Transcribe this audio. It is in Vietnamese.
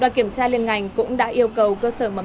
đoàn kiểm tra liên ngành cũng đã yêu cầu cơ sở tháo rỡ biển ngay